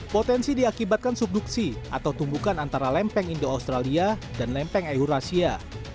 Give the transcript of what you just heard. potensi diakibatkan subduksi atau tumbukan antara lempeng indo australia dan lempeng eurasia